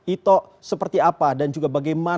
ito seperti apa dan juga bagaimana dengan ito